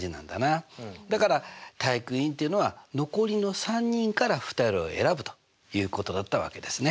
だから体育委員っていうのは残りの３人から２人を選ぶということだったわけですね。